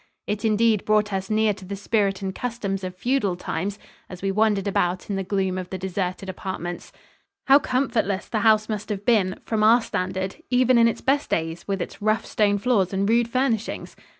It indeed brought us near to the spirit and customs of feudal times as we wandered about in the gloom of the deserted apartments. How comfortless the house must have been from our standard even in its best days, with its rough stone floors and rude furnishings!